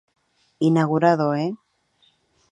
Inaugurado e!